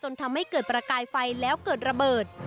ทำให้เกิดประกายไฟแล้วเกิดระเบิด